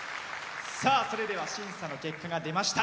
それでは審査の結果が出ました。